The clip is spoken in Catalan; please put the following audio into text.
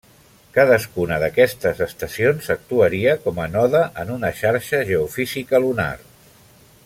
Cadascuna d'aquestes estacions actuaria com a node en una xarxa geofísica lunar.